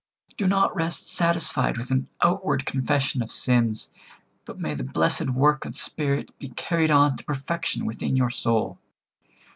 Do not rest satisfied with an outward confession of sins, but may the blessed work of the Spirit be carried on to perfection within your soul.